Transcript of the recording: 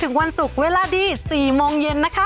ถึงวันศุกร์เวลาดี๔โมงเย็น